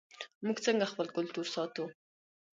موږ څنګه خپل کلتور ساتو؟